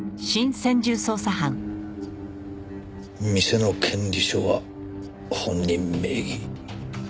店の権利書は本人名義。